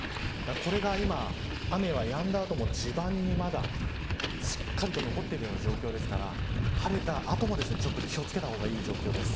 これが雨はやんだあとも地盤はまだしっかりと残っているような状況ですから晴れた後も気を付けた方がいい状況です。